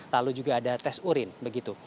lalu juga ada tes urin begitu